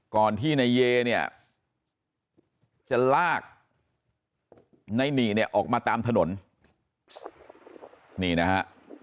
ก่อนที่นายเยเนี่ยจะลากในหนีเนี่ยออกมาตามถนนนี่นะฮะ